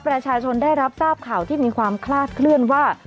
ประชาชนได้รับทราบข่าวที่มีความคลาดเคลื่อนว่า